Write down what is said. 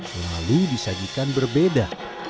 selalu disajikan berbeda